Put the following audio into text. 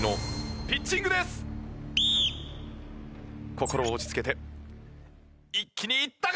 心を落ち着けて一気にいったか。